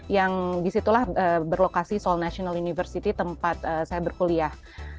yang disitulah berlokasi seoul national university tempat saya berkuliah